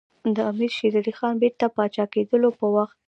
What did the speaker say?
د امیر شېر علي خان بیرته پاچا کېدلو په وخت.